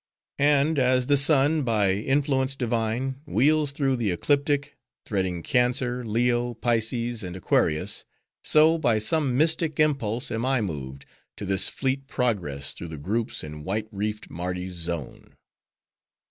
And, as the sun, by influence divine, wheels through the Ecliptic; threading Cancer, Leo, Pisces, and Aquarius; so, by some mystic impulse am I moved, to this fleet progress, through the groups in white reefed Mardi's zone.